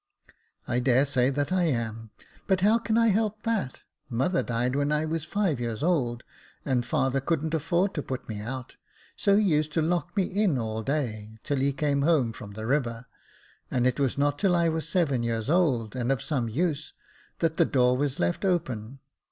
I dare say that I am, but how can I help that ? Mother died when I was five years old, and father couldn't afford to put me out, so he used to lock me in all day, till he came home from the river ; and it was not till I was seven years old, and of some use, that the door was left open.